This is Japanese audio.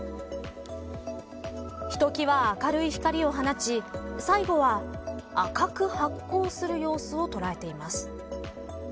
ひときわ明るい光を放ち最後は赤く発光する様子を捉えていました。